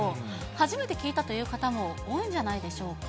初めて聞いたという方も多いんじゃないでしょうか。